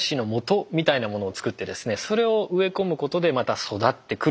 それを植え込むことでまた育ってくる。